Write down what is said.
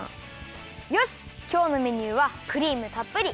よしきょうのメニューはクリームたっぷり！